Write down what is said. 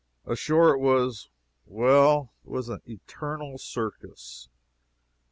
Ashore, it was well, it was an eternal circus.